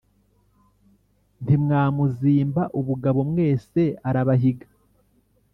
Ntimwamuzimba ubugabo mwese arabahiga